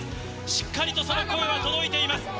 しっかりとその声は届いています。